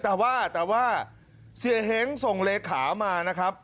แต่ว่าเสียเหงส่งเลขามานะครับ